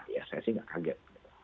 ya saya sih nggak kaget